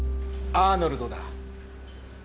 アーノルド？